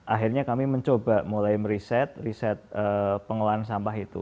akhirnya kami mencoba mulai meriset riset pengelolaan sampah itu